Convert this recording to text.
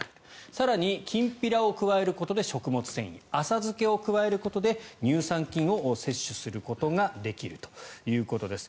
更にきんぴらを加えることで食物繊維浅漬けを加えることで乳酸菌を摂取することができるということです。